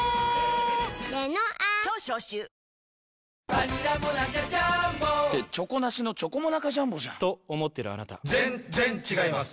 バニラモナカジャーンボって「チョコなしのチョコモナカジャンボ」じゃんと思ってるあなた．．．ぜんっぜんっ違います